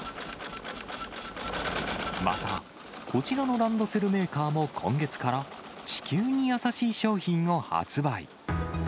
また、こちらのランドセルメーカーも、今月から、地球に優しい商品を発売。